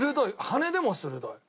羽でも鋭い。